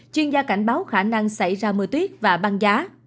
chuyên gia cảnh báo khả năng xảy ra mưa tuyết và băng giá